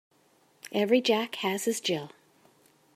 Every Jack has his Jill.